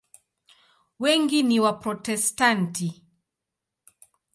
Wengi ni Waprotestanti.